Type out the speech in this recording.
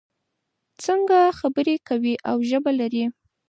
څانګه خبرې کوي او ژبه لري.